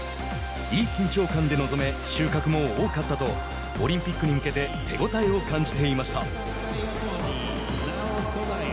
「いい緊張感で臨め、収穫も多かった」とオリンピックに向けて手応えを感じていました。